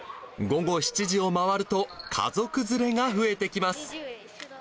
午後７時を回ると、家族連れが増えてきます。